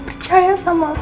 percaya sama aku ya